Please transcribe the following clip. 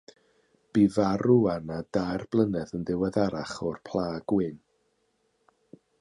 Bu farw Anna dair blynedd yn ddiweddarach o'r pla gwyn.